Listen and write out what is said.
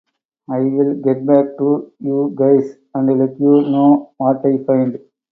I'll get back to you guys and let you know what I find.